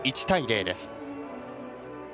１対０です。